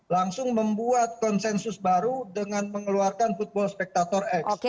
langsung membuat konsensus baru dengan mengeluarkan football spectator x